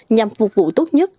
nhằm phục vụ tốt nhất